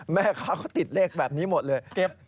แม่ค้าเขาติดเลขแบบนี้หมดเลย